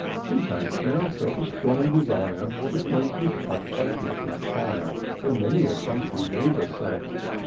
TOUR OF DOCTOR SYNTAX Syntax now felt a strong desire^ To smoke liis pipe by kitchen fire. Where many a country neighbour sat.